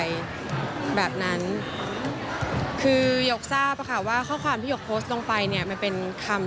กับหยกต่อมันความสำคัญเป็นอย่างไรครับ